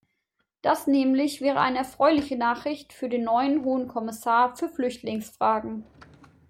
Das nämlich wäre eine erfreuliche Nachricht für den neuen Hohen Kommissar für Flüchtlingsfragen.